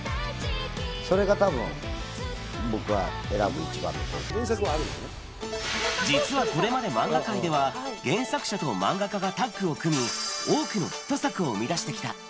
それがたぶん僕が選ぶ一番のポイ実はこれまで漫画界では、原作者と漫画家がタッグを組み、多くのヒット作を生み出してきた。